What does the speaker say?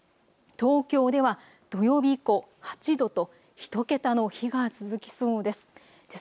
東京では土曜日以降８度と１桁の日が続きそうです。